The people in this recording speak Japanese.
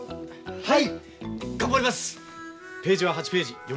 はい。